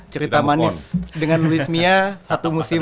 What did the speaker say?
cerita manis dengan luisminya satu musim